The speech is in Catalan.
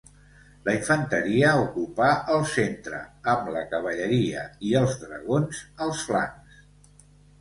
La infanteria ocupà el centre amb la cavalleria i els dragons als flancs.